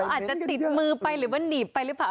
อาจจะติดมือไปหรือว่าหนีบไปหรือเปล่า